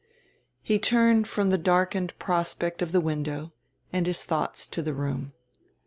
He turned from the darkened prospect of the window and his thoughts to the room.